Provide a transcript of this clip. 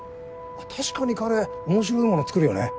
確かに彼面白いもの作るよね。